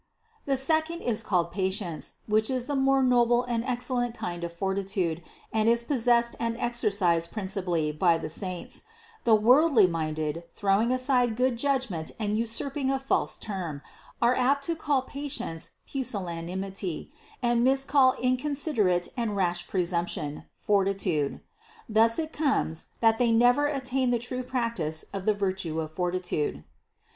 The second is called patience, 440 THE CONCEPTION 441 which is the more noble and excellent kind of fortitude, and is possessed and exercised principally by the saints: the worldly minded, throwing aside good judgment and usurping a false term, are apt to call patience pusillan imity, and miscall inconsiderate and rash presumption, fortitude. Thus it comes, that they never attain the true practice of the virtue of fortitude.